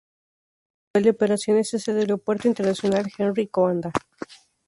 Su base principal de operaciones es el Aeropuerto Internacional Henri Coandă.